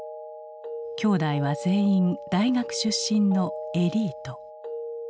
兄弟は全員大学出身のエリート。